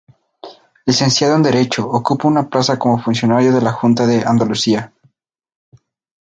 Licenciado en Derecho, ocupa una plaza como funcionario de la Junta de Andalucía.